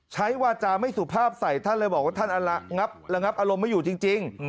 ใช้วาจาไม่สุภาพใส่ท่านเลยบอกว่าท่านระงับอารมณ์ไม่อยู่จริง